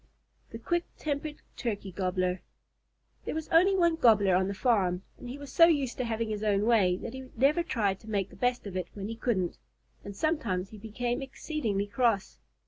THE QUICK TEMPERED TURKEY GOBBLER There was only one Gobbler on the farm, and he was so used to having his own way that he never tried to make the best of it when he couldn't, and sometimes he became exceedingly cross.